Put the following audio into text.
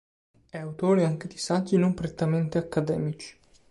È autore anche di saggi non prettamente accademici.